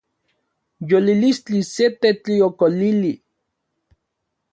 Yolilistli se tetliokolili